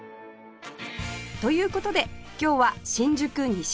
という事で今日は新宿西口へ